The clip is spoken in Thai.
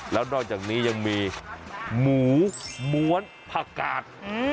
แล้วนอกจากนี้ยังมีหมูม้วนผักกาด